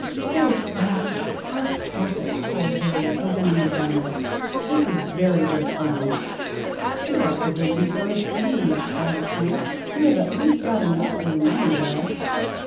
"Oh fancy! how perfect!" cried Harry, opening the bundle; "this is very good fun!" "Here are provisions for a siege!" added Frank. "You have at least got enough for your money, Laura!"